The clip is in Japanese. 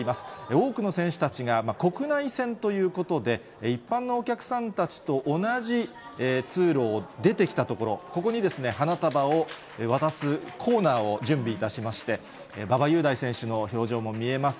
多くの選手たちが国内線ということで、一般のお客さんたちと同じ通路を出てきたところ、ここに、花束を渡すコーナーを準備いたしまして、馬場雄大選手の表情も見えます。